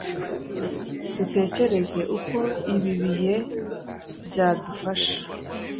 dutekereze uko ibi bihe byadufasha